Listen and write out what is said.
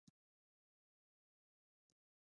د کلي ملک د اړیکو مسوول وي.